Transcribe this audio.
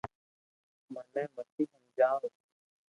مني متي ھمجاو